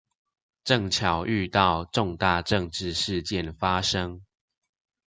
正巧遇到重大政治事件發生